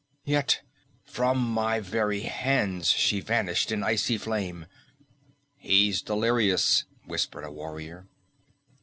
Yet from my very hands she vanished in icy flame." "He is delirious," whispered a warrior.